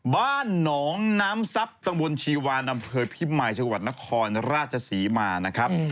บ้านหนองน้ำซับตำบลชีวานอำเภอพิมายจังหวัดนครราชศรีมานะครับ